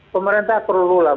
pemerintah perlu lah